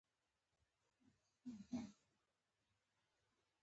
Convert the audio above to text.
عربي رستورانونه یې درلودل.